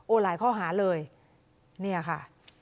โอไลน์ข้อหาเลยนี่ค่ะ